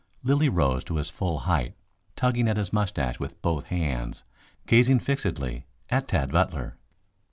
Lilly rose to his full height, tugging at his moustache with both hands, gazing fixedly at Tad Butler.